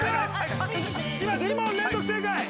今２問連続正解。